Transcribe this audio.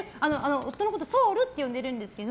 夫のことをソウルって呼んでるんですけど。